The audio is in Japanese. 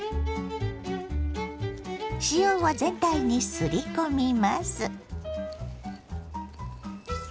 塩を全体にすり込みます。